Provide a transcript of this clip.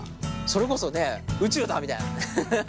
それこそね宇宙だ！みたいなねハハハ！